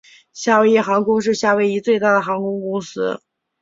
夏威夷航空是夏威夷最大的航空公司。